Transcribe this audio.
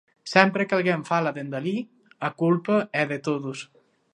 Sempre que alguén fala dende alí, a culpa é de todos.